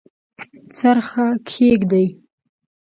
څرخه کښیږدي